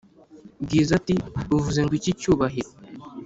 bwiza ati"uvuze ngwiki cyubahiro?"